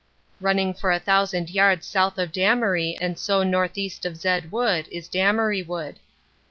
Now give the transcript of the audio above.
Running for a thousand yards south of Damery and so northeast of Zed Wood, is Damery Wood.